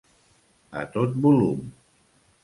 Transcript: A tot volum.